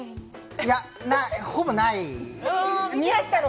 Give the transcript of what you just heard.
いや、ほぼない。